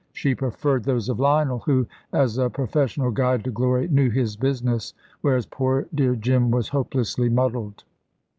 She preferred those of Lionel, who, as a professional guide to glory, knew his business, whereas poor dear Jim was hopelessly muddled.